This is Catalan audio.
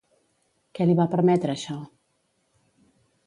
Què li va permetre això?